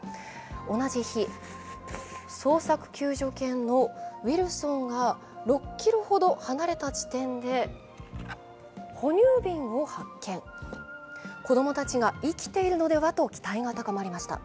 同じ日、捜索救助犬のウィルソンが６ｋｍほど離れた地点で哺乳瓶を発見子供たちが生きているのではと期待が高まりました。